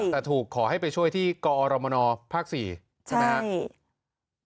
แต่ถูกขอให้ไปช่วยที่กอรมนภ๔ใช่ไหมครับ